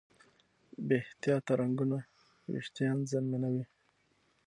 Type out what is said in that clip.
بې احتیاطه رنګونه وېښتيان زیانمنوي.